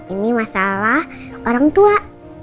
ini masalah orang tua